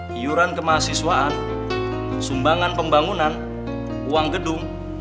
iuran kemahasiswaan sumbangan pembangunan uang gedung